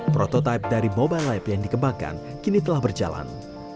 prototipe dari mobile lab yang dikembangkan kini telah berjalan